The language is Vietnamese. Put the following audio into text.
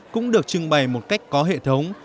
cũng được trưng bày một cách có hệ thống